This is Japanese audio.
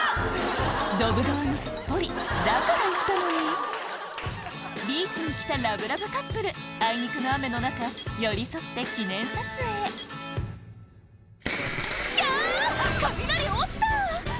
どぶ川にすっぽりだから言ったのにビーチに来たラブラブカップルあいにくの雨の中寄り添って記念撮影「きゃ！雷落ちた！」